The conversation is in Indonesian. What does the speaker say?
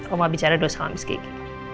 oma bicara dulu sama miss kiki